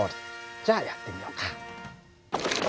じゃあやってみようか。